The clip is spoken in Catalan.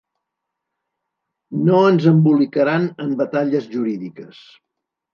No ens embolicaran en batalles jurídiques.